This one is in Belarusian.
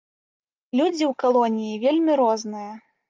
Людзі ў калоніі вельмі розныя.